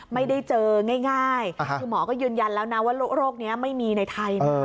ไม่ได้เจอง่ายคือหมอก็ยืนยันแล้วนะว่าโรคนี้ไม่มีในไทยนะ